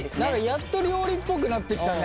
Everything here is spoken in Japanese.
やっと料理っぽくなってきたね。